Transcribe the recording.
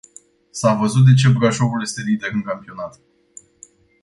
S-a văzut de ce Brașovul este lider în campionat.